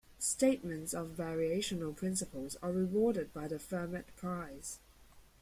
Statements of variational principles are rewarded by the Fermat Prize.